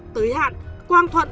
tới hạn quang thuận